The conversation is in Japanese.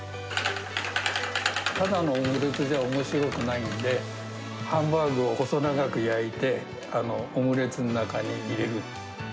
ただのオムレツじゃおもしろくないんで、ハンバーグを細長く焼いて、オムレツの中に入れる。